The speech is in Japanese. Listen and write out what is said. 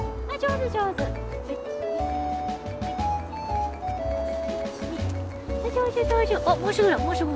はい。